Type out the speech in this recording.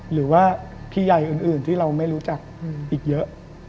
หรือว่าพี่ใหญ่อื่นที่เราไม่รู้จักอีกเยอะ